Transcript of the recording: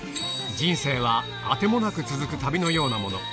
人生はあてもなく続く旅のようなもの。